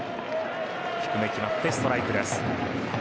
低め決まってストライクです。